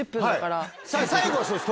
最後はそうです